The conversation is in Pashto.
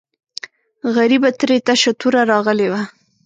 غریبه ترې تشه توره راغلې وه.